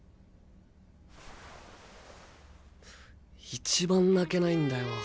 一番泣けないんだよ